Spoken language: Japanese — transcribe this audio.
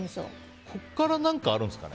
ここから何かあるんですかね